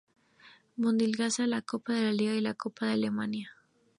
Bundesliga, la Copa de la Liga y la Copa de Alemania.